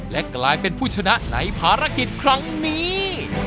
และกลายเป็นผู้ชนะในภารกิจครั้งนี้